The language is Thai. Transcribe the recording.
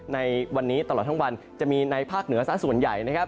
ในวันนี้ตลอดทั้งวันจะมีในภาคเหนือซะส่วนใหญ่นะครับ